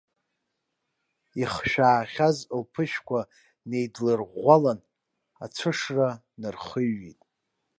Ихшәаахьаз лԥышәқәа неидлырӷәӷәалан, ацәышра нархыҩит.